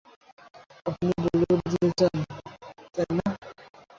আপনি বলিউডে যেতে চান, তাই না?